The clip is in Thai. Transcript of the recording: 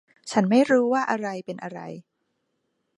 ฉันไม่รู้ว่าอะไรเป็นอะไร